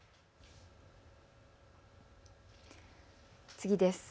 次です。